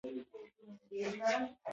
د ځمکې لړزیدو ته زلزله وایي